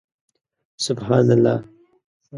سبحان الله